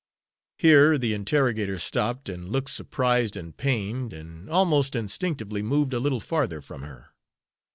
Here the interrogator stopped, and looked surprised and pained, and almost instinctively moved a little farther from her.